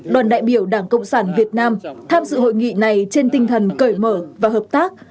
đoàn đại biểu đảng cộng sản việt nam tham dự hội nghị này trên tinh thần cởi mở và hợp tác